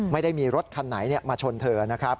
ไม่ได้มีรถคันไหนมาชนเธอนะครับ